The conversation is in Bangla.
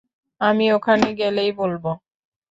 আমি ওখানে গেলেই বলবো।